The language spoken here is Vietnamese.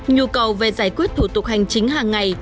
nhu cầu về giải quyết thủ tục hành chính hàng ngày